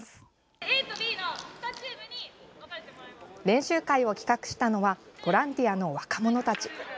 練習会を企画したのはボランティアの若者たち。